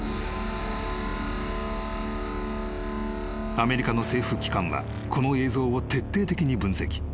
［アメリカの政府機関はこの映像を徹底的に分析］